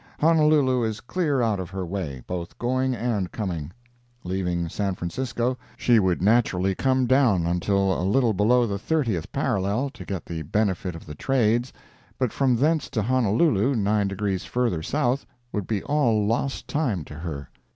Honolulu is clear out of her way, both going and coming. Leaving San Francisco she would naturally come down until a little below the thirtieth parallel, to get the benefit of "the trades," but from thence to Honolulu, nine degrees further south, would be all lost time to her.